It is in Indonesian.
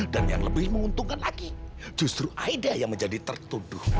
dan yang lebih menguntungkan lagi justru aida yang menjadi tertuduh